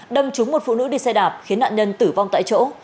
đâm trúng một phụ nữ đi xe đạp khiến nạn nhân tử vong tại chỗ